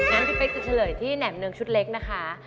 งั้นพี่เป๊กจะเฉลยที่แหน่มเนืองชุดเล็กนะคะ